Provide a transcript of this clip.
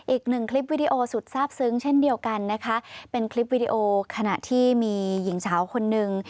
อีกหนึ่งคลิปวิดีโอสุดทราบซึ้งเช่นเดียวกันนะคะเป็นคลิปวิดีโอขณะที่มีหญิงสาวคนนึง